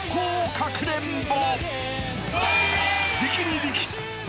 かくれんぼ］